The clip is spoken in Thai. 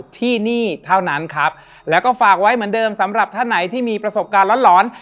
ที่นี่เท่านั้นครับแล้วก็ฝากไว้เหมือนเดิมสำหรับท่านไหนที่มีประสบการณ์ร้อน